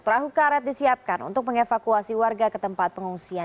perahu karet disiapkan untuk mengevakuasi warga ke tempat pengungsian